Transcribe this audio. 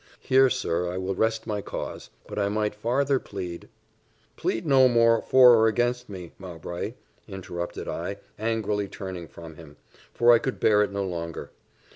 Here, sir, I will rest my cause; but I might farther plead '" "Plead no more for or against me, Mowbray," interrupted I, angrily turning from him, for I could bear it no longer.